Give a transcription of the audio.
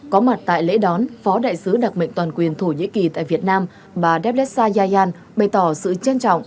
có mặt tại lễ đón phó đại sứ đặc mệnh toàn quyền thổ nhĩ kỳ tại việt nam bà devessayaan bày tỏ sự trân trọng